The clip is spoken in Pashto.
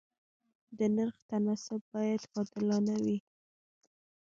د نرخ تناسب باید عادلانه وي.